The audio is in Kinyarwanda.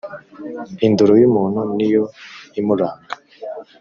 indoro y’umuntu ni yo imuranga,